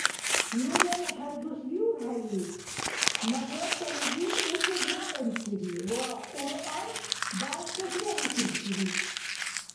Ну верхӏел дус виубхӏели мадрасализи учӏес вякьунсири ва Кьуръан бяркъес вехӏихьибсири.